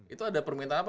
itu ada permintaan apa